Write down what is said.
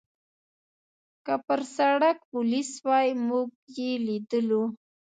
که پر سړک پولیس وای، موږ یې لیدلو.